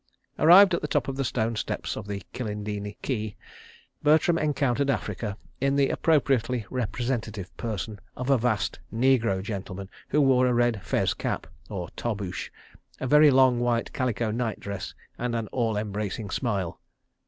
Arrived at the top of the stone steps of the Kilindini quay, Bertram encountered Africa in the appropriately representative person of a vast negro gentleman, who wore a red fez cap (or tarboosh), a very long white calico night dress and an all embracing smile.